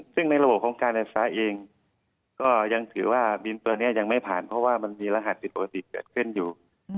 ซึ่งในระบบของการไฟฟ้าเองก็ยังถือว่าบินตัวนี้ยังไม่ผ่านเพราะว่ามันมีรหัสผิดปกติเกิดขึ้นอยู่